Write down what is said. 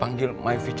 jangan melayan aku ibu